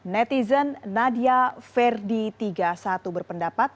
netizen nadia verdi tiga puluh satu berpendapat